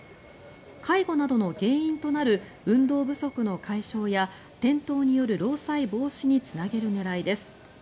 介護などの原因となる運動不足の解消や転倒による労災防止につなげる狙いです。